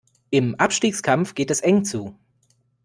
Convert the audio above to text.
Im Abstiegskampf geht es eng zu.